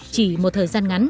chỉ một thời gian ngắn